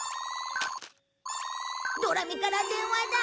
ドラミから電話だ！